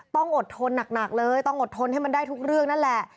ต้องอดทนหนักเลยต้องอดทนให้มันได้ทุกเรื่องนั่นแหละ